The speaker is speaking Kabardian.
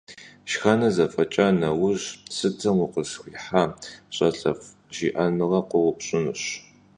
Шхэныр зэфӀэкӀа нэужь, сытым укъысхуихьа, щӀалэфӀ, жиӀэнурэ къоупщӀынущ.